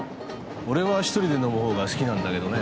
俺は１人で飲むほうが好きなんだけどね。